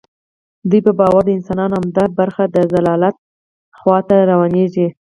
دوی په باور د انسانانو عمده برخه د ضلالت خوا ته روانیږي.